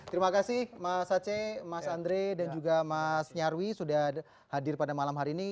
terima kasih mas aceh mas andre dan juga mas nyarwi sudah hadir pada malam hari ini